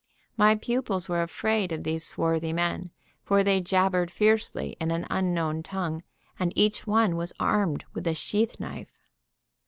My pupils were afraid of these swarthy men, for they jabbered fiercely in an unknown tongue, and each one was armed with a sheath knife.